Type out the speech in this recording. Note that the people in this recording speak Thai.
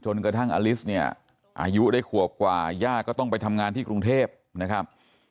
กระทั่งอลิสเนี่ยอายุได้ขวบกว่าย่าก็ต้องไปทำงานที่กรุงเทพนะครับ